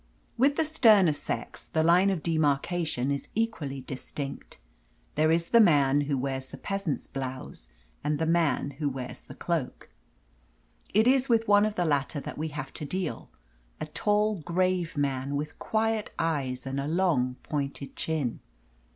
With the sterner sex, the line of demarcation is equally distinct. There is the man who wears the peasant's blouse, and the man who wears the cloak. It is with one of the latter that we have to deal a tall, grave man, with quiet eyes and a long, pointed chin.